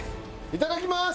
いただきます！